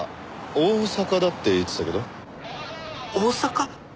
大阪？